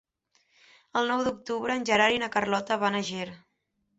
El nou d'octubre en Gerard i na Carlota van a Ger.